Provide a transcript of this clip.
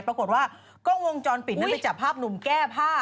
ปรากฏว่ากล้องวงจรปิดนั้นไปจับภาพหนุ่มแก้ผ้า